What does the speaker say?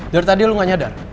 dari tadi lu gak nyadar